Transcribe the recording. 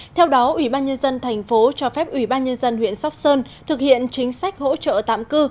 theo đó ủy ban nhân dân thành phố cho phép ủy ban nhân dân huyện sóc sơn thực hiện chính sách hỗ trợ tạm cư